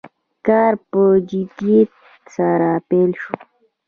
کار په جدیت سره پیل شو.